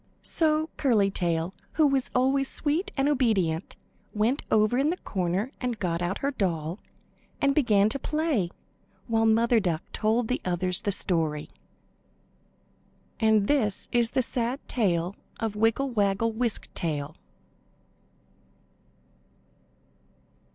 So Curly Tail, who was always sweet and obedient, went over in the corner and got out her doll, and began to play, while Mother Duck told the others the story. And this is the sad tale of Wiggle Waggle Wisk Tail.